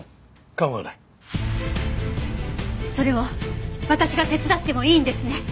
それを私が手伝ってもいいんですね？